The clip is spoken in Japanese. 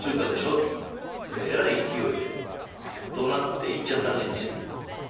えらい勢いでどなって行っちゃったらしいんですよ。